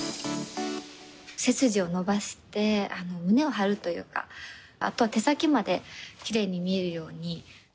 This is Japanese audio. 背筋を伸ばして、胸を張るというか、あとは手先まで、きれいに見えるように。